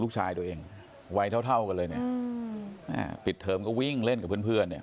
ลูกชายตัวเองไวเท่ากันเลยปิดเทอมก็วิ่งเล่นกับเพื่อน